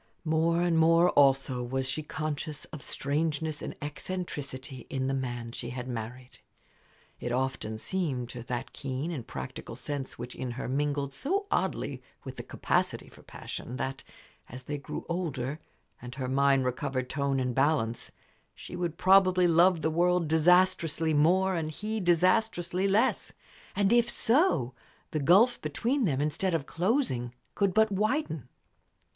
More and more, also, was she conscious of strangeness and eccentricity in the man she had married. It often seemed to that keen and practical sense which in her mingled so oddly with the capacity for passion that, as they grew older, and her mind recovered tone and balance, she would probably love the world disastrously more and he disastrously less. And if so, the gulf between them, instead of closing, could but widen.